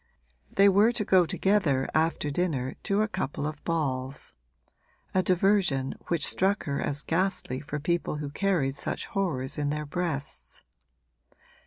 They were to go together after dinner to a couple of balls; a diversion which struck her as ghastly for people who carried such horrors in their breasts.